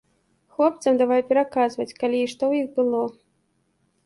Хлопцам давай пераказваць, калі й што ў іх было.